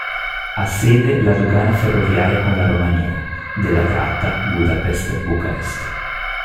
Ha sede la dogana ferroviaria con la Romania della tratta Budapest-Bucarest